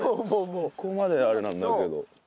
そこまであれなんだけど。